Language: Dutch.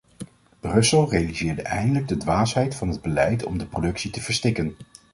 Brussel realiseerde eindelijk de dwaasheid van het beleid om de productie te verstikken.